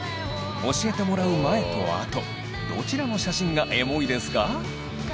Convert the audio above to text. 教えてもらう前と後どちらの写真がエモいですか？